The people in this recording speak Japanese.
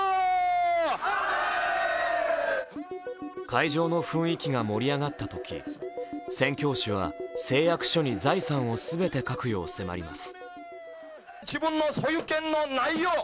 会場の雰囲気が盛り上がったとき、宣教師は、誓約書に財産を全て書くよう迫ります。